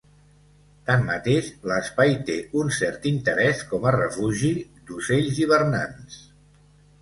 Tanmateix, l’espai té un cert interès com a refugi d’ocells hivernants.